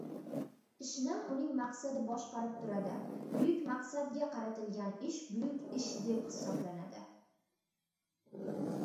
Ishni uning maqsadi boshqarib turadi, buyuk maqsadga qaratilgan ish buyuk ish deb hisoblanadi.